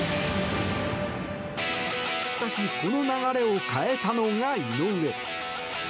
しかしこの流れを変えたのが井上。